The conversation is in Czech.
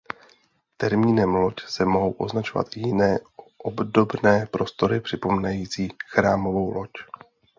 Termínem loď se mohou označovat i jiné obdobné prostory připomínající chrámovou loď.